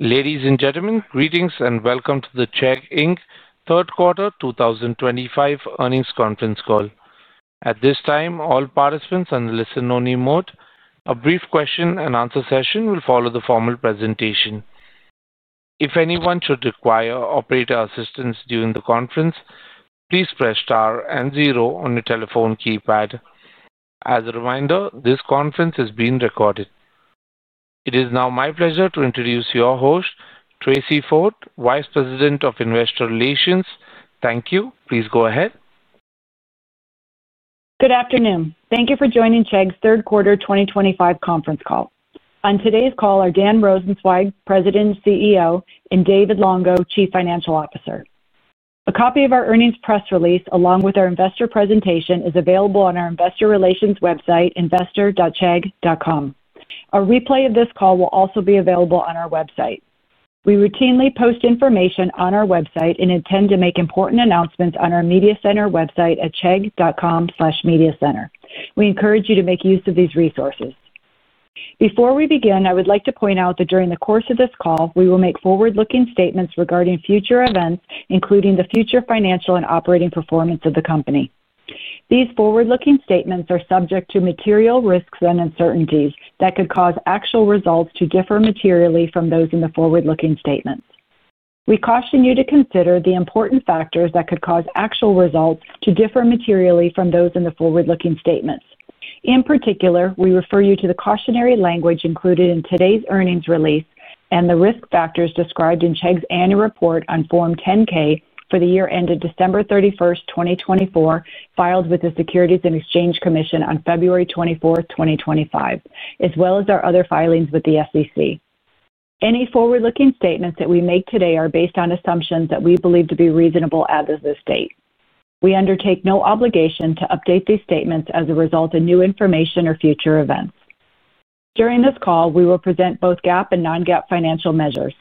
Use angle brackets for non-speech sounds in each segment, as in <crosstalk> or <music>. Ladies and gentlemen, greetings and welcome to the Chegg Q3 2025 Earnings Conference Call. At this time, all participants are in listen-only mode. A brief Q&A will follow the formal presentation. If anyone should require operator assistance during the conference, please press * and 0 on your telephone keypad. As a reminder, this conference is being recorded. It is now my pleasure to introduce your host, Tracey Ford, Vice President of Investor Relations. Thank you. Please go ahead. Good afternoon. Thank you for joining Chegg's Q3 2025 Conference Call. On today's call are Dan Rosensweig, President and CEO, and David Longo, Chief Financial Officer. A copy of our earnings press release, along with our investor presentation, is available on our investor relations website, investor.chegg.com. A replay of this call will also be available on our website. We routinely post information on our website and intend to make important announcements on our media center website at chegg.com/mediacenter. We encourage you to make use of these resources. Before we begin, I would like to point out that during the course of this call, we will make forward-looking statements regarding future events, including the future financial and operating performance of the company. These forward-looking statements are subject to material risks and uncertainties that could cause actual results to differ materially from those in the forward-looking statements. We caution you to consider the important factors that could cause actual results to differ materially from those in the forward-looking statements. In particular, we refer you to the cautionary language included in today's earnings release and the risk factors described in Chegg's annual report on Form 10-K for the year ended December 31st, 2024, filed with the Securities and Exchange Commission on February 24th, 2025, as well as our other filings with the SEC. Any forward-looking statements that we make today are based on assumptions that we believe to be reasonable as of this date. We undertake no obligation to update these statements as a result of new information or future events. During this call, we will present both GAAP and non-GAAP financial measures.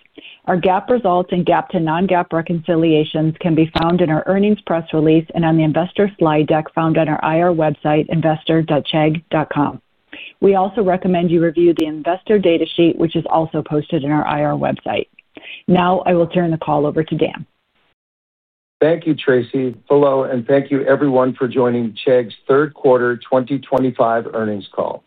Our GAAP results and GAAP-to-non-GAAP reconciliations can be found in our earnings press release and on the investor slide deck found on our IR website, investor.chegg.com. We also recommend you review the investor data sheet, which is also posted on our IR website. Now, I will turn the call over to Dan. Thank you, Tracey. Hello, and thank you, everyone, for joining Chegg's Q3 2025 Earnings Call.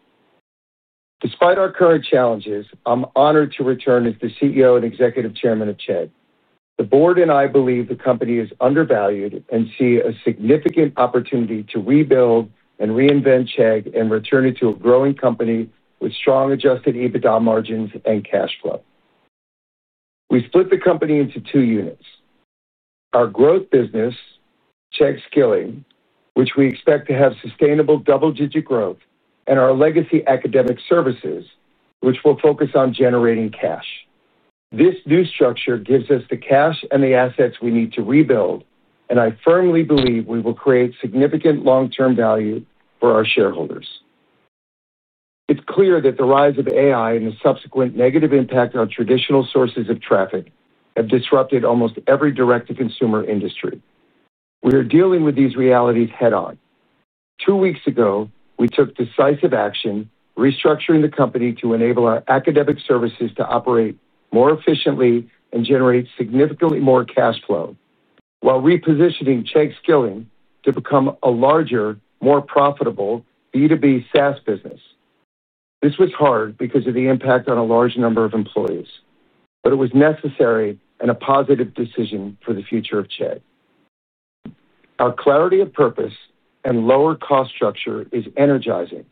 Despite our current challenges, I'm honored to return as the CEO and Executive Chairman of Chegg. The board and I believe the company is undervalued and see a significant opportunity to rebuild and reinvent Chegg and return it to a growing company with strong Adjusted EBITDA margins and cash flow. We split the company into two units: our growth business, Chegg Skilling, which we expect to have sustainable double-digit growth, and our legacy academic services, which will focus on generating cash. This new structure gives us the cash and the assets we need to rebuild, and I firmly believe we will create significant long-term value for our shareholders. It's clear that the rise of AI and the subsequent negative impact on traditional sources of traffic have disrupted almost every direct-to-consumer industry. We are dealing with these realities head-on. Two weeks ago, we took decisive action, restructuring the company to enable our academic services to operate more efficiently and generate significantly more cash flow, while repositioning Chegg Skilling to become a larger, more profitable B2B SaaS business. This was hard because of the impact on a large number of employees, but it was necessary and a positive decision for the future of Chegg. Our clarity of purpose and lower-cost structure is energizing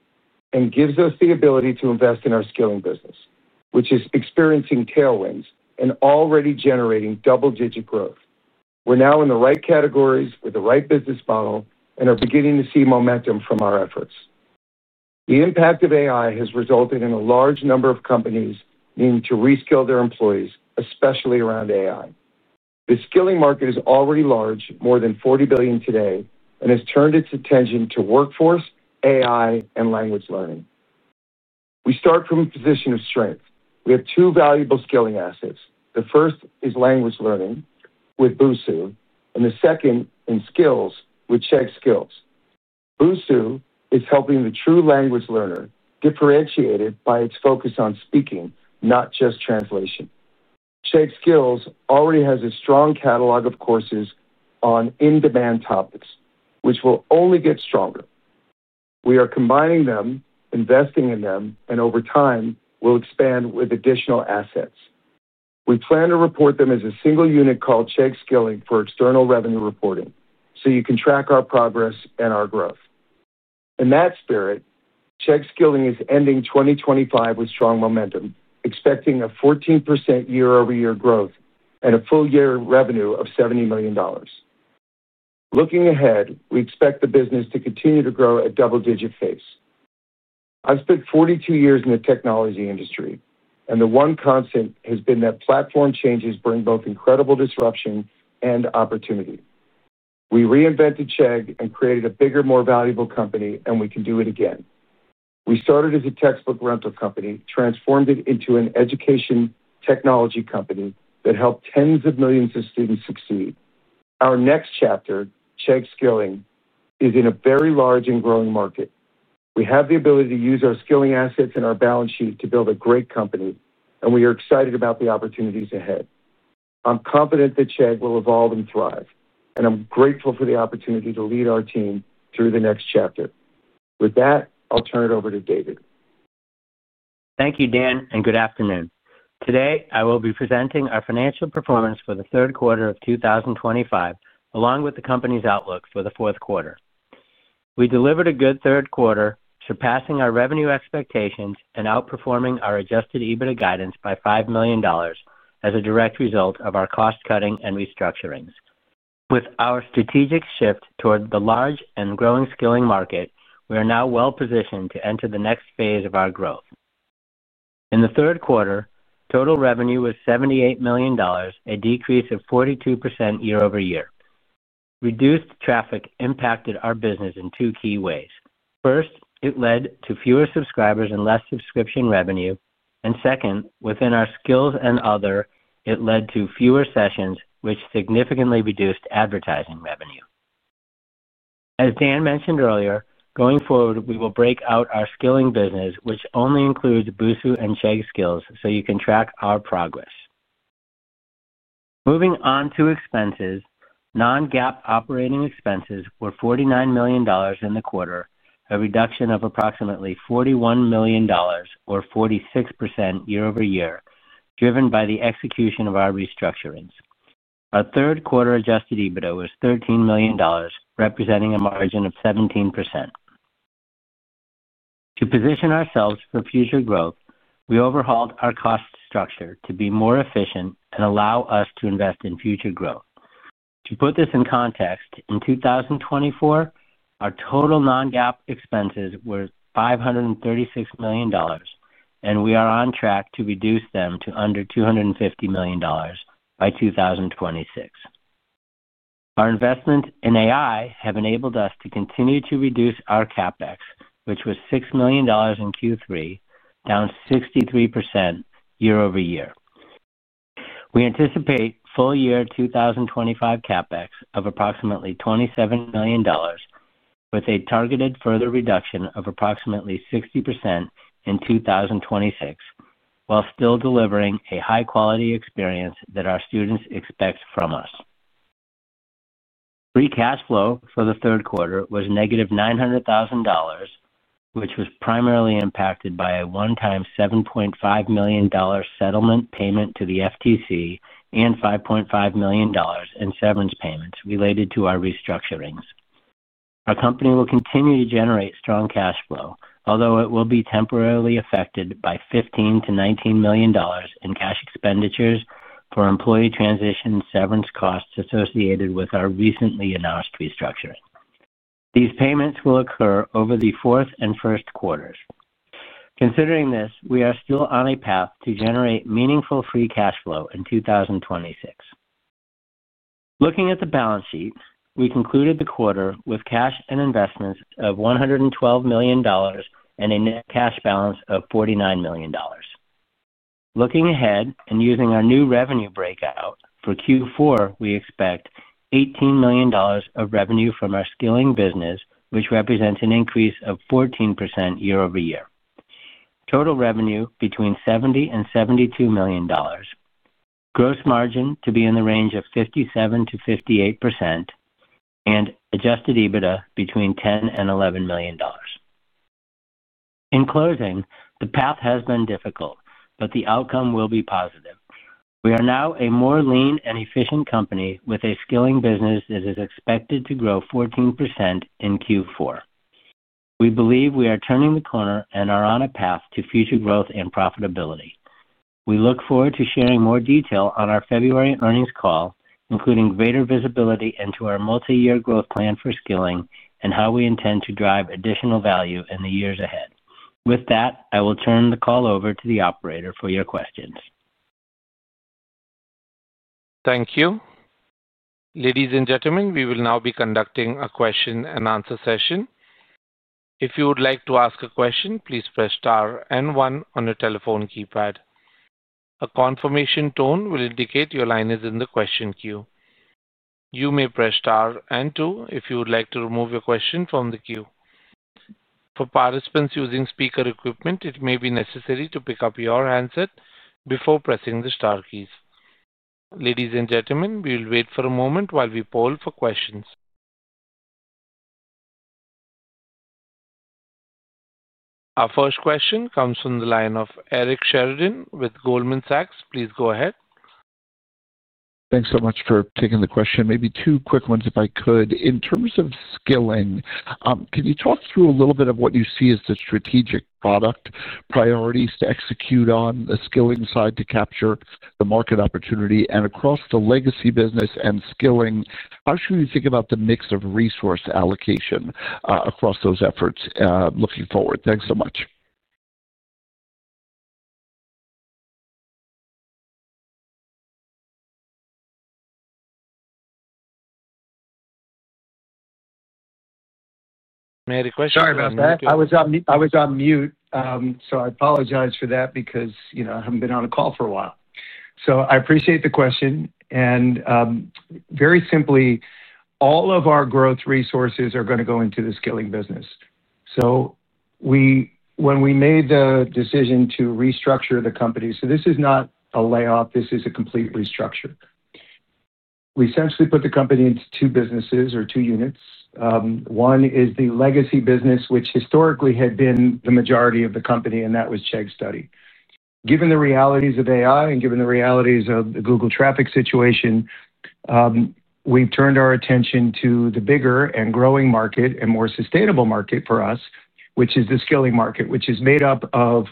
and gives us the ability to invest in our skilling business, which is experiencing tailwinds and already generating double-digit growth. We're now in the right categories with the right business model and are beginning to see momentum from our efforts. The impact of AI has resulted in a large number of companies needing to reskill their employees, especially around AI. The skilling market is already large, more than $40 billion today, and has turned its attention to workforce, AI, and language learning. We start from a position of strength. We have two valuable skilling assets. The first is language learning with Busuu, and the second in skills with Chegg Skills. Busuu is helping the true language learner, differentiated by its focus on speaking, not just translation. Chegg Skills already has a strong catalog of courses on in-demand topics, which will only get stronger. We are combining them, investing in them, and over time, we'll expand with additional assets. We plan to report them as a single unit called Chegg Skilling for external revenue reporting, so you can track our progress and our growth. In that spirit, Chegg Skilling is ending 2025 with strong momentum, expecting a 14% year-over-year growth and a full-year revenue of $70 million. Looking ahead, we expect the business to continue to grow at double-digit pace. I've spent 42 years in the technology industry, and the one constant has been that platform changes bring both incredible disruption and opportunity. We reinvented Chegg and created a bigger, more valuable company, and we can do it again. We started as a textbook rental company, transformed it into an education technology company that helped tens of millions of students succeed. Our next chapter, Chegg Skilling, is in a very large and growing market. We have the ability to use our skilling assets and our balance sheet to build a great company, and we are excited about the opportunities ahead. I'm confident that Chegg will evolve and thrive, and I'm grateful for the opportunity to lead our team through the next chapter. With that, I'll turn it over to David. Thank you, Dan, and good afternoon. Today, I will be presenting our financial performance for Q3 of 2025, along with the company's outlook for Q4. We delivered a good Q3, surpassing our revenue expectations and outperforming our Adjusted EBITDA guidance by $5 million as a direct result of our cost-cutting and restructurings. With our strategic shift toward the large and growing skilling market, we are now well-positioned to enter the next phase of our growth. In Q3, total revenue was $78 million, a decrease of 42% year-over-year. Reduced traffic impacted our business in two key ways. First, it led to fewer subscribers and less subscription revenue. Second, within our skills and other, it led to fewer sessions, which significantly reduced advertising revenue. As Dan mentioned earlier, going forward, we will break out our skilling business, which only includes Busuu and Chegg Skills, so you can track our progress. Moving on to expenses, non-GAAP operating expenses were $49 million in the quarter, a reduction of approximately $41 million, or 46% year-over-year, driven by the execution of our restructurings. Our Q3 Adjusted EBITDA was $13 million, representing a margin of 17%. To position ourselves for future growth, we overhauled our cost structure to be more efficient and allow us to invest in future growth. To put this in context, in 2024, our total non-GAAP expenses were $536 million, and we are on track to reduce them to under $250 million by 2026. Our investments in AI have enabled us to continue to reduce our CapEx, which was $6 million in Q3, down 63% year-over-year. We anticipate full-year 2025 CapEx of approximately $27 million, with a targeted further reduction of approximately 60% in 2026, while still delivering a high-quality experience that our students expect from us. Free cash flow for Q3 was negative $900,000, which was primarily impacted by a one-time $7.5 million settlement payment to the FTC and $5.5 million in severance payments related to our restructurings. Our company will continue to generate strong cash flow, although it will be temporarily affected by $15-$19 million in cash expenditures for employee transition severance costs associated with our recently announced restructuring. These payments will occur over the fourth and first quarters. Considering this, we are still on a path to generate meaningful free cash flow in 2026. Looking at the balance sheet, we concluded the quarter with cash and investments of $112 million and a net cash balance of $49 million. Looking ahead and using our new revenue breakout, for Q4, we expect $18 million of revenue from our skilling business, which represents an increase of 14% year-over-year. Total revenue between $70 and $72 million. Gross margin to be in the range of 57-58%, and Adjusted EBITDA between $10 and $11 million. In closing, the path has been difficult, but the outcome will be positive. We are now a more lean and efficient company with a skilling business that is expected to grow 14% in Q4. We believe we are turning the corner and are on a path to future growth and profitability. We look forward to sharing more detail on our February earnings call, including greater visibility into our multi-year growth plan for skilling and how we intend to drive additional value in the years ahead. With that, I will turn the call over to the operator for your questions. Thank you. Ladies and gentlemen, we will now be conducting a question-and-answer session. If you would like to ask a question, please press star and one on your telephone keypad. A confirmation tone will indicate your line is in the question queue. You may press star and two if you would like to remove your question from the queue. For participants using speaker equipment, it may be necessary to pick up your handset before pressing the star keys. Ladies and gentlemen, we will wait for a moment while we poll for questions. Our first question comes from the line of Eric Sheridan with Goldman Sachs. Please go ahead. Thanks so much for taking the question. Maybe two quick ones, if I could. In terms of skilling, can you talk through a little bit of what you see as the strategic product priorities to execute on the skilling side to capture the market opportunity and across the legacy business and skilling? How should we think about the mix of resource allocation across those efforts looking forward? Thanks so much. <crosstalk> Sorry about that. I was on mute, so I apologize for that because I have not been on a call for a while. I appreciate the question. Very simply, all of our growth resources are going to go into the skilling business. When we made the decision to restructure the company, this is not a layoff; this is a complete restructure. We essentially put the company into two businesses or two units. One is the legacy business, which historically had been the majority of the company, and that was Chegg Study. Given the realities of AI and given the realities of the Google traffic situation, we have turned our attention to the bigger and growing market and more sustainable market for us, which is the skilling market, which is made up of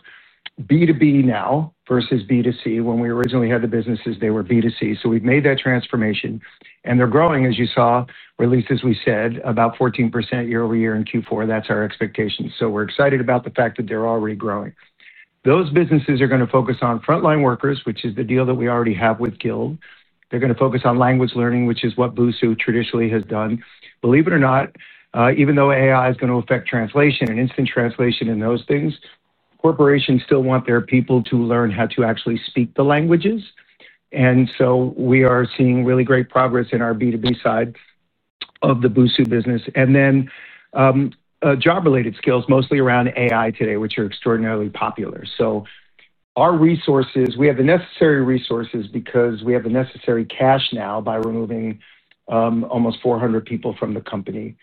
B2B now versus B2C. When we originally had the businesses, they were B2C. We have made that transformation, and they are growing, as you saw, or at least, as we said, about 14% year-over-year in Q4. That is our expectation. We are excited about the fact that they are already growing. Those businesses are going to focus on frontline workers, which is the deal that we already have with Gill. They are going to focus on language learning, which is what Busuu traditionally has done. Believe it or not, even though AI is going to affect translation and instant translation and those things, corporations still want their people to learn how to actually speak the languages. We are seeing really great progress in our B2B side of the Busuu business. Then job-related skills, mostly around AI today, which are extraordinarily popular. Our resources, we have the necessary resources because we have the necessary cash now by removing almost 400 people from the company.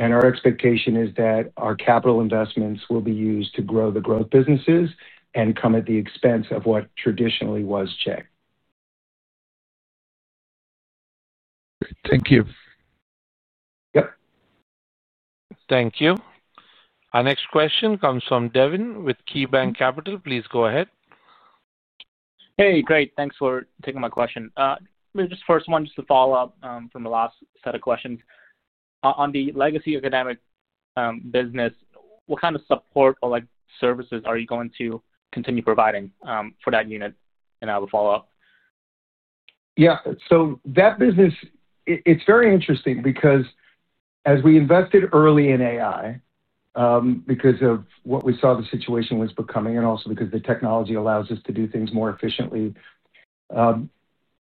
Our expectation is that our capital investments will be used to grow the growth businesses and come at the expense of what traditionally was Chegg. Thank you. Yep. Thank you. Our next question comes from Devin with KeyBanc Capital Markets. Please go ahead. Hey, great. Thanks for taking my question. Just first one, just to follow up from the last set of questions. On the legacy academic business, what kind of support or services are you going to continue providing for that unit? I have a follow-up. Yeah. So that business, it's very interesting because as we invested early in AI, because of what we saw the situation was becoming, and also because the technology allows us to do things more efficiently,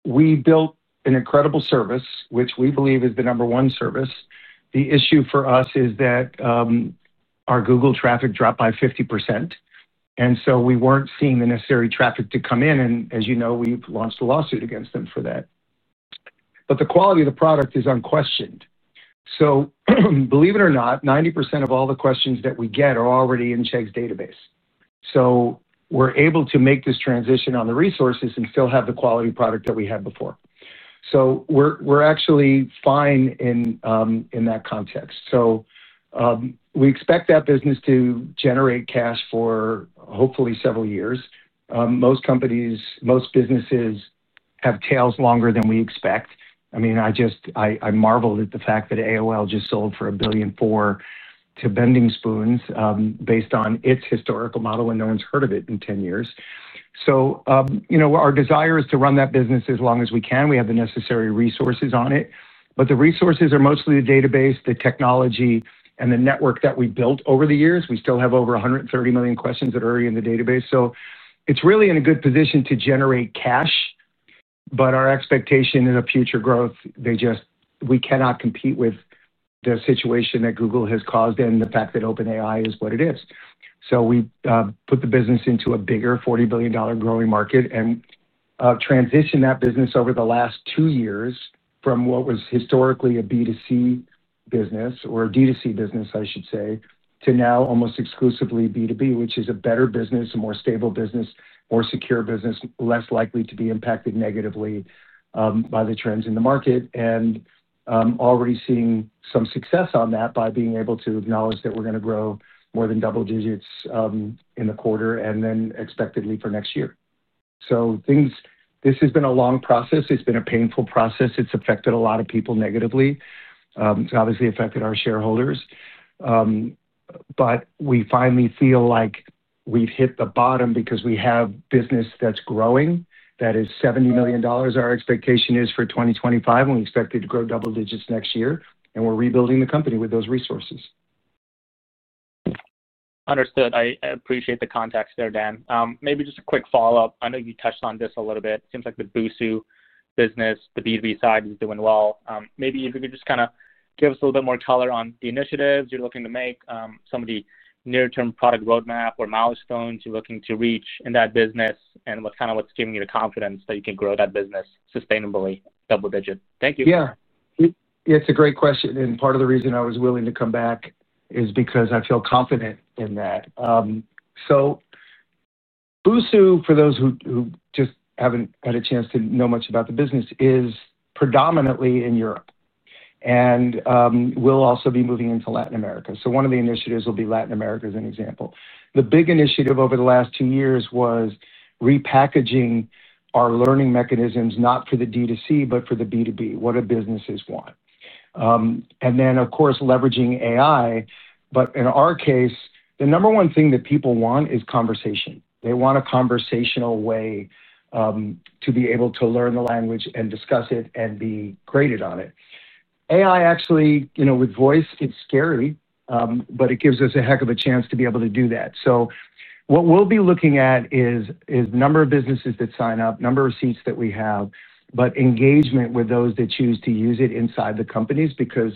we built an incredible service, which we believe is the number one service. The issue for us is that our Google traffic dropped by 50%. We weren't seeing the necessary traffic to come in. As you know, we've launched a lawsuit against them for that. The quality of the product is unquestioned. Believe it or not, 90% of all the questions that we get are already in Chegg's database. We're able to make this transition on the resources and still have the quality product that we had before. We're actually fine in that context. We expect that business to generate cash for hopefully several years. Most companies, most businesses have tails longer than we expect. I mean, I marveled at the fact that AOL just sold for $1.4 billion to Bending Spoons based on its historical model, and no one's heard of it in 10 years. Our desire is to run that business as long as we can. We have the necessary resources on it. The resources are mostly the database, the technology, and the network that we built over the years. We still have over 130 million questions that are already in the database. It is really in a good position to generate cash, but our expectation in a future growth, we cannot compete with the situation that Google has caused and the fact that OpenAI is what it is. We put the business into a bigger $40 billion growing market and transitioned that business over the last two years from what was historically a B2C business, or a D2C business, I should say, to now almost exclusively B2B, which is a better business, a more stable business, more secure business, less likely to be impacted negatively by the trends in the market, and already seeing some success on that by being able to acknowledge that we're going to grow more than double digits in the quarter and then expectedly for next year. This has been a long process. It's been a painful process. It's affected a lot of people negatively. It's obviously affected our shareholders. We finally feel like we've hit the bottom because we have business that's growing that is $70 million. Our expectation is for 2025, and we expect it to grow double digits next year. We are rebuilding the company with those resources. Understood. I appreciate the context there, Dan. Maybe just a quick follow-up. I know you touched on this a little bit. It seems like the Busuu business, the B2B side, is doing well. Maybe if you could just kind of give us a little bit more color on the initiatives you're looking to make, some of the near-term product roadmap or milestones you're looking to reach in that business, and kind of what's giving you the confidence that you can grow that business sustainably double digit. Thank you. Yeah. It's a great question. Part of the reason I was willing to come back is because I feel confident in that. Busuu, for those who just haven't had a chance to know much about the business, is predominantly in Europe. We'll also be moving into Latin America. One of the initiatives will be Latin America as an example. The big initiative over the last two years was repackaging our learning mechanisms, not for the B2C, but for the B2B, what do businesses want. Of course, leveraging AI. In our case, the number one thing that people want is conversation. They want a conversational way to be able to learn the language and discuss it and be graded on it. AI, actually, with voice, it's scary, but it gives us a heck of a chance to be able to do that. What we'll be looking at is the number of businesses that sign up, number of seats that we have, but engagement with those that choose to use it inside the companies because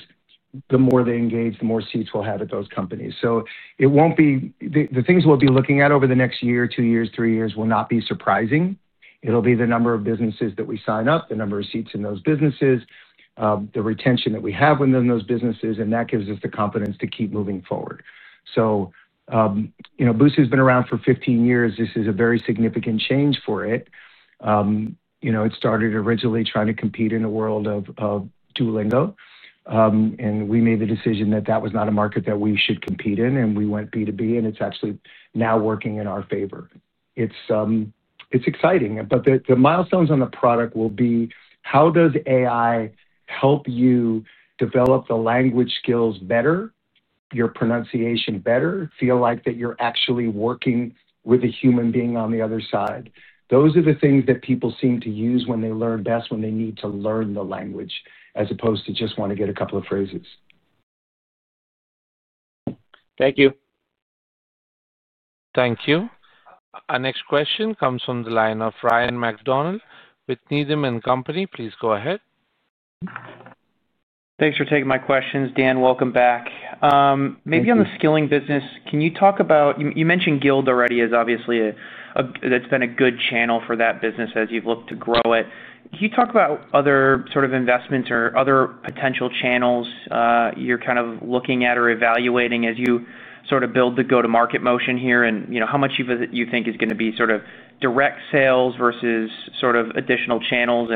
the more they engage, the more seats we'll have at those companies. The things we'll be looking at over the next year, two years, three years will not be surprising. It'll be the number of businesses that we sign up, the number of seats in those businesses, the retention that we have within those businesses, and that gives us the confidence to keep moving forward. Busuu has been around for 15 years. This is a very significant change for it. It started originally trying to compete in the world of Duolingo. We made the decision that that was not a market that we should compete in, and we went B2B, and it's actually now working in our favor. It's exciting. The milestones on the product will be how does AI help you develop the language skills better, your pronunciation better, feel like that you're actually working with a human being on the other side. Those are the things that people seem to use when they learn best, when they need to learn the language, as opposed to just want to get a couple of phrases. Thank you. Thank you. Our next question comes from the line of Ryan McDonald with Needham & Company. Please go ahead. Thanks for taking my questions, Dan. Welcome back. Maybe on the skilling business, can you talk about, you mentioned Gill already as obviously that's been a good channel for that business as you've looked to grow it. Can you talk about other sort of investments or other potential channels you're kind of looking at or evaluating as you sort of build the go-to-market motion here, and how much you think is going to be sort of direct sales versus sort of additional channels,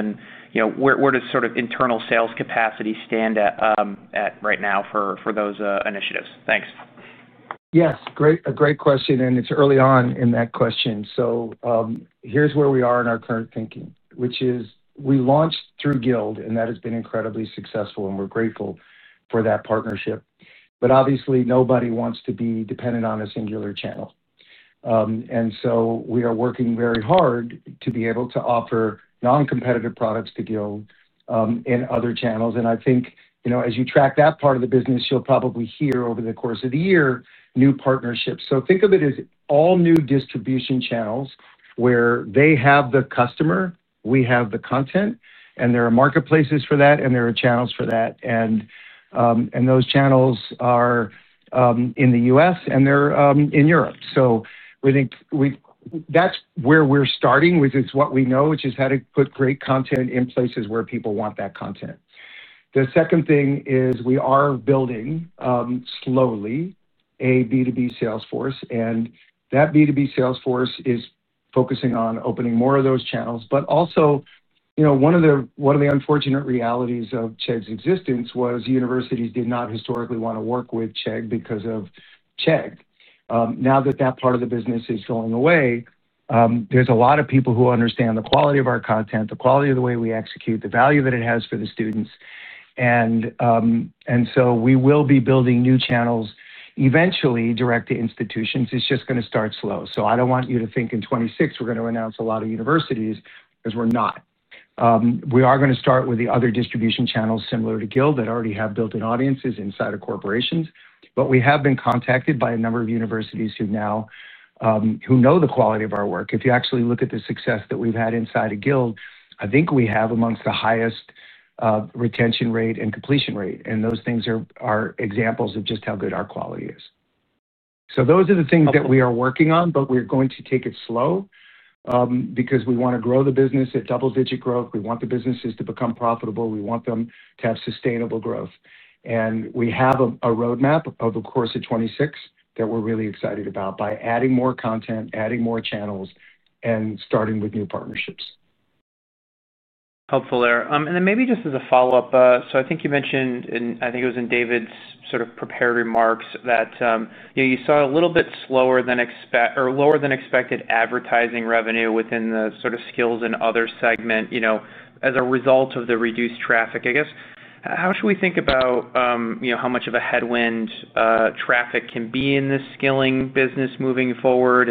where does sort of internal sales capacity stand at right now for those initiatives? Thanks. Yes. A great question. It is early on in that question. Here is where we are in our current thinking, which is we launched through Gill, and that has been incredibly successful, and we are grateful for that partnership. Obviously, nobody wants to be dependent on a singular channel. We are working very hard to be able to offer non-competitive products to Gill and other channels. I think as you track that part of the business, you will probably hear over the course of the year new partnerships. Think of it as all new distribution channels where they have the customer, we have the content, and there are marketplaces for that, and there are channels for that. Those channels are in the U.S., and they are in Europe. That's where we're starting, which is what we know, which is how to put great content in places where people want that content. The second thing is we are building slowly a B2B Salesforce, and that B2B Salesforce is focusing on opening more of those channels. Also, one of the unfortunate realities of Chegg's existence was universities did not historically want to work with Chegg because of Chegg. Now that that part of the business is going away, there are a lot of people who understand the quality of our content, the quality of the way we execute, the value that it has for the students. We will be building new channels eventually direct to institutions. It's just going to start slow. I don't want you to think in 2026 we're going to announce a lot of universities because we're not. We are going to start with the other distribution channels similar to Gill that already have built-in audiences inside of corporations. We have been contacted by a number of universities who know the quality of our work. If you actually look at the success that we've had inside of Gill, I think we have amongst the highest retention rate and completion rate. Those things are examples of just how good our quality is. Those are the things that we are working on, but we're going to take it slow because we want to grow the business at double-digit growth. We want the businesses to become profitable. We want them to have sustainable growth. We have a roadmap of the course of 2026 that we're really excited about by adding more content, adding more channels, and starting with new partnerships. Helpful there. Maybe just as a follow-up, I think you mentioned, and I think it was in David's sort of prepared remarks, that you saw a little bit slower than expected or lower than expected advertising revenue within the sort of skills and other segment as a result of the reduced traffic. I guess, how should we think about how much of a headwind traffic can be in this skilling business moving forward,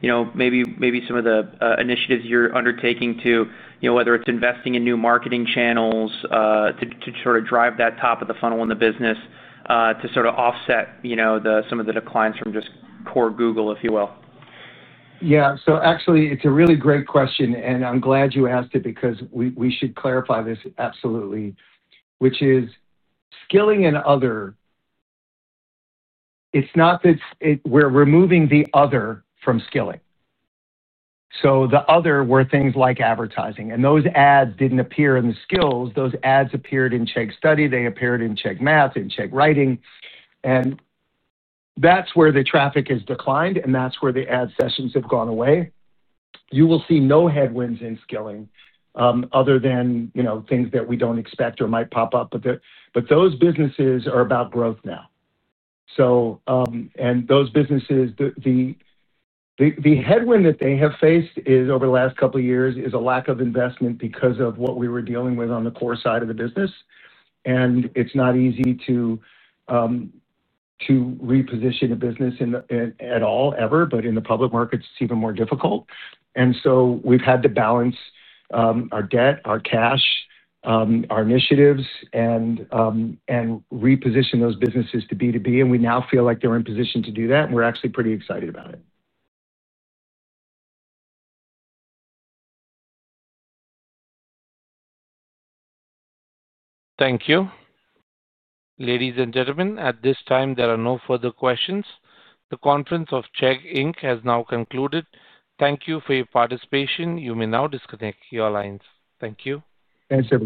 maybe some of the initiatives you're undertaking to, whether it's investing in new marketing channels to sort of drive that top of the funnel in the business to offset some of the declines from just core Google, if you will. Yeah. Actually, it's a really great question, and I'm glad you asked it because we should clarify this absolutely, which is skilling and other. It's not that we're removing the other from skilling. The other were things like advertising. Those ads didn't appear in the skills. Those ads appeared in Chegg Study. They appeared in Chegg Math, in Chegg Writing. That's where the traffic has declined, and that's where the ad sessions have gone away. You will see no headwinds in skilling other than things that we don't expect or might pop up. Those businesses are about growth now. Those businesses, the headwind that they have faced over the last couple of years is a lack of investment because of what we were dealing with on the core side of the business. It's not easy to reposition a business at all, ever. In the public markets, it's even more difficult. We've had to balance our debt, our cash, our initiatives, and reposition those businesses to B2B. We now feel like they're in position to do that. We're actually pretty excited about it. Thank you. Ladies and gentlemen, at this time, there are no further questions. The conference of Chegg has now concluded. Thank you for your participation. You may now disconnect your lines. Thank you. Thanks everyone.